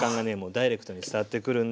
ダイレクトに伝わってくるんで。